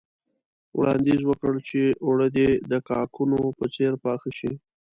وړانديز وکړ چې اوړه دې د کاکونو په څېر پاخه شي.